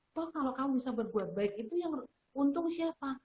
toh kalau kamu bisa berbuat baik itu yang untung siapa